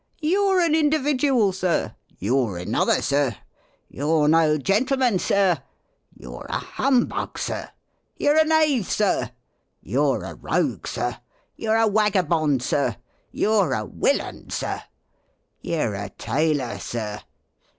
"You 're a individual. Sir !" "You 're another, Sir!" " You 're no gentleman. Sir !"" You 're a humbug, Sir !" "You 're a knave, Sir!" "You 're a rogue. Sir !" "You 're a wagabond, Sir!" "You 're a willain. Sir!" "You 're a tailor. Sir!"